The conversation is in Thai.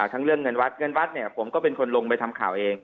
เรื่องเงินวัดเงินวัดเนี่ยผมก็เป็นคนลงไปทำข่าวเอง